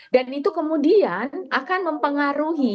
dan itu kemudian akan mempengaruhi